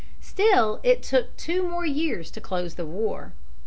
Still it took two more years to close the war.